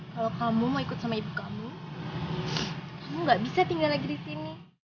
kalau kamu mau ikut sama ibu kamu kamu gak bisa tinggal lagi di sini